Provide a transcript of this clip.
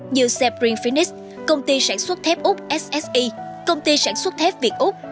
như seprin phoenix công ty sản xuất thép úc sse công ty sản xuất thép việt úc